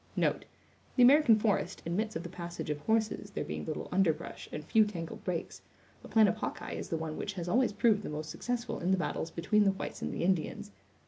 The American forest admits of the passage of horses, there being little underbrush, and few tangled brakes. The plan of Hawkeye is the one which has always proved the most successful in the battles between the whites and the Indians.